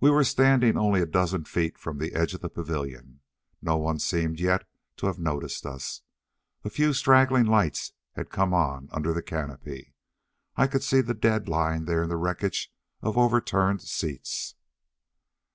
We were standing only a dozen feet from the edge of the pavilion. No one seemed yet to have noticed us. A few straggling lights had come on under the canopy. I could see the dead lying there in the wreckage of overturned seats.